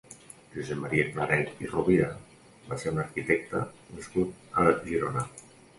Josep Maria Claret i Rubira va ser un arquitecte nascut a Girona.